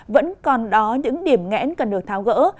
vẫn còn đó những điểm ngẽn cần được tháo gỡ